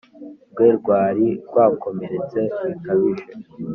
rwe rwari rwakomeretse bikabije